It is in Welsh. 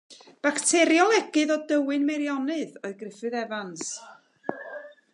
Bacteriolegydd o Dywyn, Meirionnydd oedd Griffith Evans.